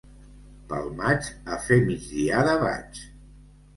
Pel maig, a fer migdiada vaig.